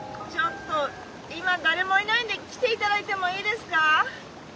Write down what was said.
ちょっと今誰もいないんで来ていただいてもいいですか？